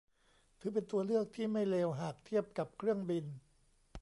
ถือเป็นตัวเลือกที่ไม่เลวหากเทียบกับเครื่องบิน